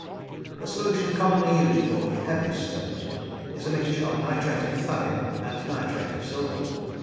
The solution commonly used for the heaviest stones is a mixture of nitrate of thallium and nitrate of silver.